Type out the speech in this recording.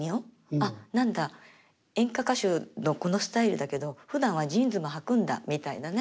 「あっ何だ演歌歌手のこのスタイルだけどふだんはジーンズもはくんだ」みたいなね